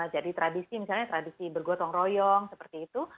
jadi tradisi misalnya tradisi bergotong royong seperti itu